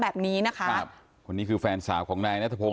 แบบนี้นะคะคนนี่คือแฟนสาวของนายแน่ทะพง